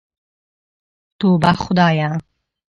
توبه خدايه.